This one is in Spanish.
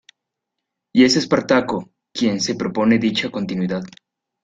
Y es Espartaco quien se propone dicha continuidad.